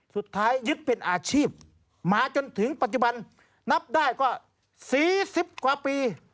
สุดท้ายยึดเป็นอาชีพ